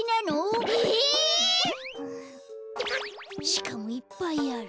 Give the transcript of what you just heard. しかもいっぱいある。